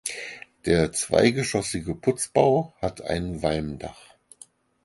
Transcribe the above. Der zweigeschossige Putzbau hat ein Walmdach.